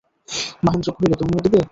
মহেন্দ্র কহিল, তুমিও দিবে?